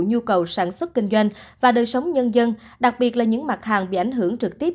nhu cầu sản xuất kinh doanh và đời sống nhân dân đặc biệt là những mặt hàng bị ảnh hưởng trực tiếp